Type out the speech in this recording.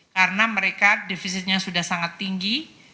karena mereka defisitnya sudah sangat tinggi